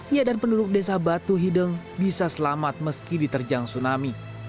ya dan penduduk desa batu hideng bisa selamat meski diterjang tsunami